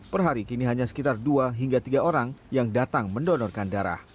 per hari kini hanya sekitar dua hingga tiga orang yang datang mendonorkan darah